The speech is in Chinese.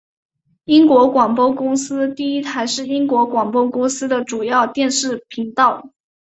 英国广播公司第一台是英国广播公司的主要电视频道。